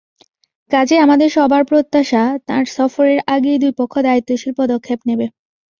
কাজেই আমাদের সবার প্রত্যাশা, তাঁর সফরের আগেই দুই পক্ষ দায়িত্বশীল পদক্ষেপ নেবে।